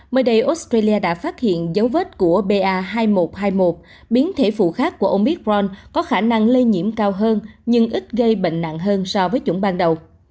mới đây australia đã phát hiện dấu vết của ba nghìn một trăm hai mươi một biến thể phụ khác của ông mikron có khả năng lây nhiễm cao hơn nhưng ít gây bệnh nặng hơn so với chủng ban đầu